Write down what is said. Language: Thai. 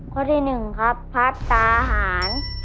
ข้อที่หนึ่งครับพัฒน์ตาหาร